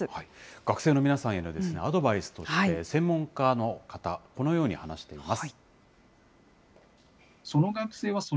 学生の皆さんへのアドバイスとして、専門家の方、このように話しています。